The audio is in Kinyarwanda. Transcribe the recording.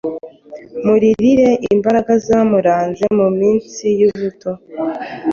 Muririre imbaraga zamuranze muminsi yubuto